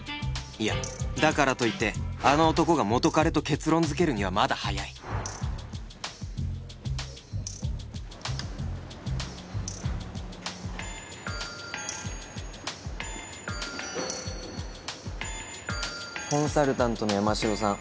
いやだからといってあの男が元彼と結論づけるにはまだ早いコンサルタントの山城さん